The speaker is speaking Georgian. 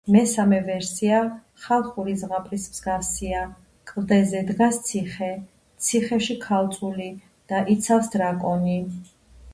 მესამე ვერსია ხალხური ზღაპრის მსგავსია: კლდეზე დგას ციხე, ციხეში ქალწული და იცავს დრაკონი.